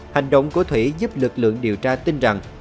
hành động của thủy giúp lực lượng điều tra tin rằng